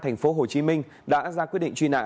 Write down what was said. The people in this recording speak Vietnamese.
thành phố hồ chí minh đã ra quyết định truy nã